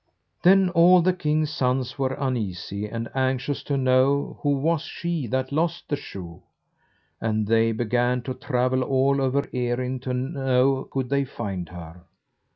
Then all the kings' sons were uneasy, and anxious to know who was she that lost the shoe; and they began to travel all over Erin to know could they find her.